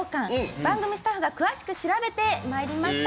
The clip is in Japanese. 番組スタッフが詳しく調べてまいりました。